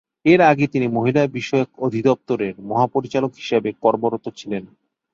এর আগে তিনি মহিলা বিষয়ক অধিদপ্তরের মহাপরিচালক হিসেবে কর্মরত ছিলেন।